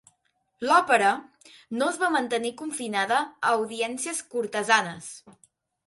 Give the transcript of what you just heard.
L'òpera no es va mantenir confinada a audiències cortesanes.